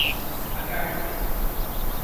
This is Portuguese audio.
Acari